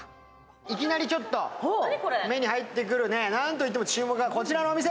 いきなりちょっと目に入ってくる、なんといっても注目がこちら。